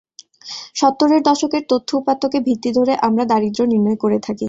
সত্তরের দশকের তথ্য উপাত্তকে ভিত্তি ধরে আমরা দারিদ্র্য নির্ণয় করে থাকি।